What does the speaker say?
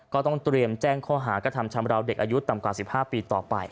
ก็ต้องเตรียมแจ้งข้อหากระทำชำราวเด็กอายุต่ำกว่า๑๕ปีต่อไป